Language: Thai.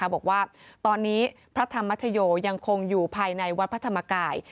บอกว่าตอนนี้พระธรรมชโยยังคงอยู่ภายในวัดพระธรรมกาย